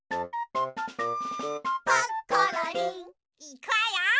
いくわよ！